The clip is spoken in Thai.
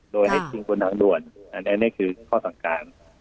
โดยให้ทิ้งบนทางด่วนอันนี้คือข้อสั่งการ